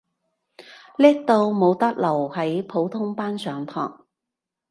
叻到冇得留喺普通班上堂